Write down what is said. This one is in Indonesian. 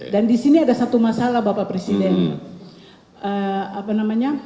dan di sini ada satu masalah bapak presiden